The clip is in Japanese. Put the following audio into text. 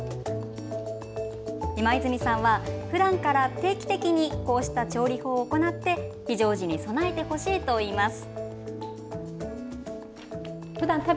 今泉さんはふだんから定期的にこうした調理法を行って非常時に備えてほしいといいます。